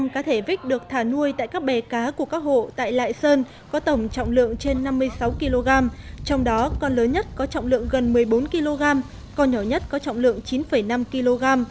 năm cá thể vích được thả nuôi tại các bè cá của các hộ tại lại sơn có tổng trọng lượng trên năm mươi sáu kg trong đó con lớn nhất có trọng lượng gần một mươi bốn kg con nhỏ nhất có trọng lượng chín năm kg